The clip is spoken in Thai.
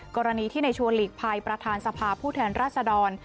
กรณีที่ในชวนหลีกภัยประธานสภาผู้แทนราชดร